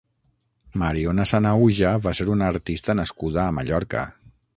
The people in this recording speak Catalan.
Mariona Sanahuja va ser una artista nascuda a Mallorca.